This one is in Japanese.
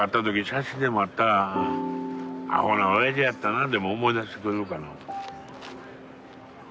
写真でもあったら「アホなオヤジやったな」でも思い出してくれるかな思て。